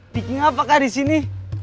dikem apakah disini